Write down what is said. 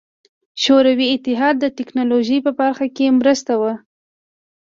شوروي اتحاد د ټکنالوژۍ په برخه کې وروسته و.